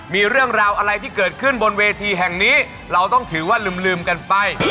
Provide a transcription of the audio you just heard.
มีเรื่องราวอะไรที่เกิดขึ้นบนเวทีแห่งนี้เราต้องถือว่าลืมกันไป